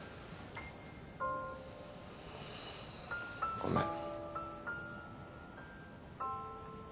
ごめん。